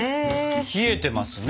冷えてますね。